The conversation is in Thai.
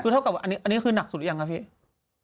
คือเท่ากับอันนี้คือนักสุดหรือยังครับพี่สถานการณ์ตอนนี้